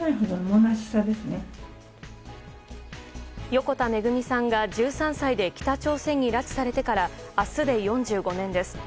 横田めぐみさんが１３歳で北朝鮮に拉致されてから明日で４５年です。